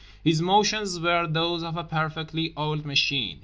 His motions were those of a perfectly oiled machine.